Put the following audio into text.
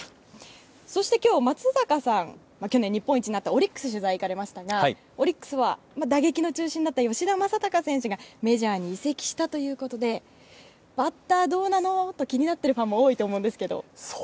そして今日、松坂さんは去年、日本一になったオリックスに取材に行かれましたがオリックスは打撃の中心になった吉田正尚選手がメジャーに移籍したということでバッター、どうなの？と気になってるファンも多いと思うんですけど。